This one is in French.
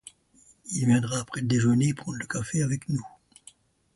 Il viendra après le déjeuner prendre le café avec nous.